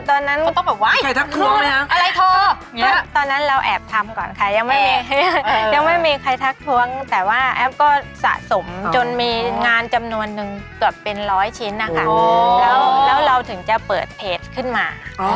โอ้โหบบยกสร้างของเราเขาก็สะสมจนมีงานจำนวนเกือบเป็นร้อยชิ้นแล้วเราถึงจะเปิดเพจขึ้นมา